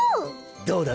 どうだ？